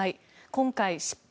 今回、失敗。